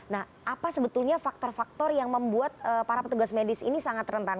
nah apa sebetulnya faktor faktor yang membuat para petugas medis ini sangat rentan